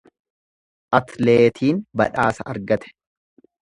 Atleetin badhaasa argate.